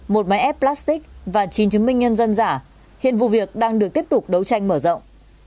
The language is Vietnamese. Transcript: một máy ép plastic và chín chứng minh nhân dân giả hiện vụ việc đang được tiếp tục đấu tranh mở rộng